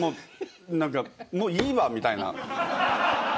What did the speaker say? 何かもういいわみたいな。